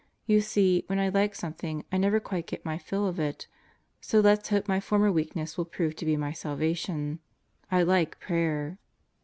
You see, when I like something, I never quite get my fill of it. So let's hope my former weakness will prove to be my salvation. I like prayer.